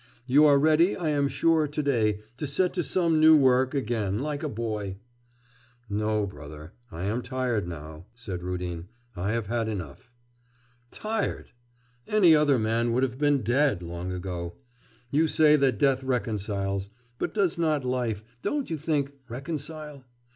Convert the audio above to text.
You are ready, I am sure, to day, to set to some new work again like a boy.' 'No, brother, I am tired now,' said Rudin. 'I have had enough.' 'Tired! Any other man would have been dead long ago. You say that death reconciles; but does not life, don't you think, reconcile?